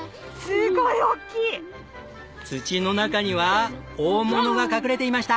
土の中には大物が隠れていました。